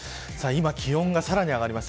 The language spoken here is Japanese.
気温はさらに上がります。